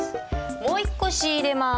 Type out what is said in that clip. もう一個仕入れます。